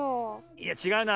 いやちがうな。